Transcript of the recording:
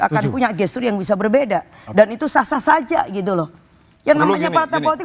akan punya gestur yang bisa berbeda dan itu sah sah saja gitu loh yang namanya partai politik